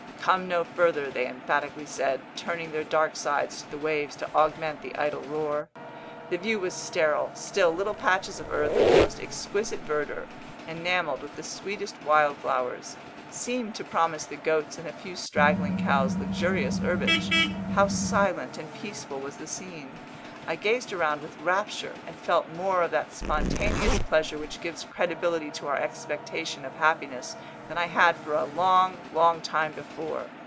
"Come no further," they emphatically said, turning their dark sides to the waves to augment the idle roar. The view was sterile; still little patches of earth of the most exquisite verdure, enamelled with the sweetest wild flowers, seemed to promise the goats and a few straggling cows luxurious herbage. How silent and peaceful was the scene! I gazed around with rapture, and felt more of that spontaneous pleasure which gives credibility to our expectation of happiness than I had for a long, long time before.